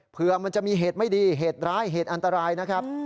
เพื่อมันจะมีเหตุไม่ดีเหตุร้ายเหตุอันตรายนะครับ